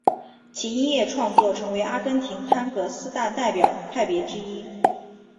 其音乐创作成为阿根廷探戈四大代表派别之一。